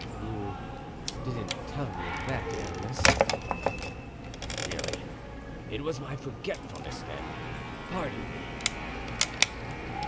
"You didn't tell me of that, Aramis." "Really? It was my forgetfulness then; pardon me."